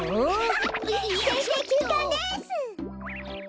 キャハッせんせいきゅうかんです。